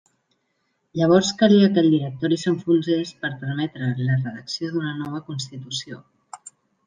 Llavors calia que el Directori s'enfonsés per permetre la redacció d'una nova Constitució.